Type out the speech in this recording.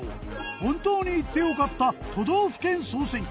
本当に行って良かった都道府県総選挙。